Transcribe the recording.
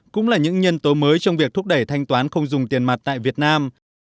cũng là những nhân tố mới trong việc thúc đẩy thanh toán không dùng tiền mặt tại việt nam